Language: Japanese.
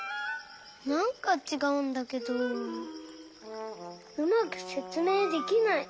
なんかちがうんだけどうまくせつめいできない。